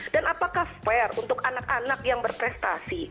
dan apakah fair untuk anak anak yang berprestasi